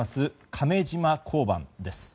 亀島交番です。